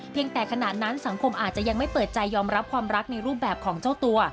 ขณะนั้นสังคมอาจจะยังไม่เปิดใจยอมรับความรักในรูปแบบของเจ้าตัว